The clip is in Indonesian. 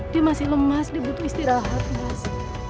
dia masih lemas dia butuh istirahat mas